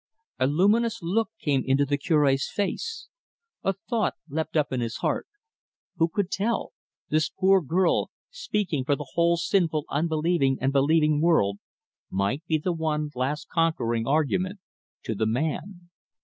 A luminous look came into the Cure's face. A thought leapt up in his heart. Who could tell! this pure girl, speaking for the whole sinful, unbelieving, and believing world, might be the one last conquering argument to the man.